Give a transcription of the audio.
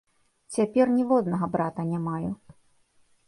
Цяпер ніводнага брата не маю.